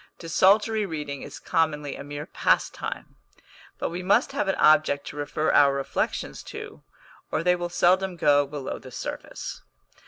Desultory reading is commonly a mere pastime. But we must have an object to refer our reflections to, or they will seldom go below the surface.